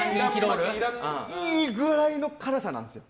いい具合の辛さなんですよ。